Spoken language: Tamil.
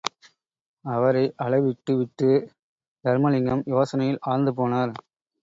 அவரை அழவிட்டு விட்டு, தருமலிங்கம் யோசனையில் ஆழ்ந்து போனார்.